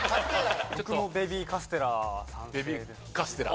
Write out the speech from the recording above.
僕もベビーカステラ賛成です。